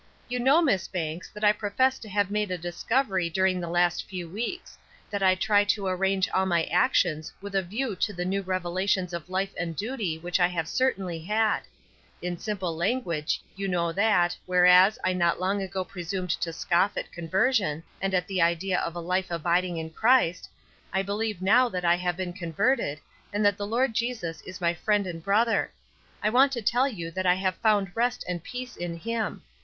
"You know, Miss Banks, that I profess to have made a discovery during the last few weeks; that I try to arrange all my actions with a view to the new revelations of life and duty which I have certainly had; in simple language you know that, whereas, I not long ago presumed to scoff at conversion, and at the idea of a life abiding in Christ, I believe now that I have been converted, and that the Lord Jesus is my Friend and Brother; I want to tell you that I have found rest and peace in him.